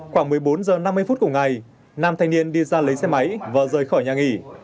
khoảng một mươi bốn h năm mươi phút cùng ngày nam thanh niên đi ra lấy xe máy và rời khỏi nhà nghỉ